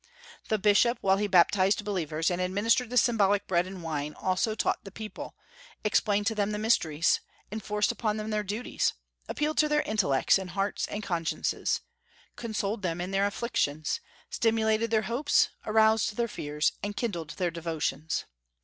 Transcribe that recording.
The bishop, while he baptized believers, and administered the symbolic bread and wine, also taught the people, explained to them the mysteries, enforced upon them their duties, appealed to their intellects and hearts and consciences, consoled them in their afflictions, stimulated their hopes, aroused their fears, and kindled their devotions.